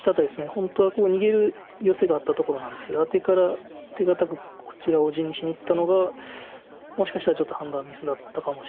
本当はここ逃げるヨセがあったところなんですけどアテから手堅くこちらを地にしにいったのがもしかしたらちょっと判断ミスだったかもしれないです。